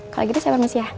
kalau gitu saya permisi ya